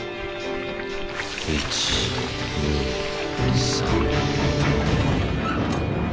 １２３。